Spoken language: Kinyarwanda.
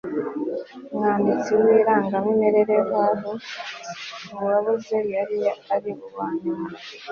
mwanditsi w irangamimerere w'aho uwabuze yari ari bwa nyuma